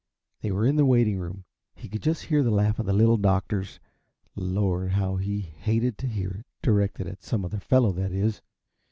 They were in the waiting room; he could hear that laugh of the Little Doctor's Lord, how he hated to hear it directed at some other fellow, that is.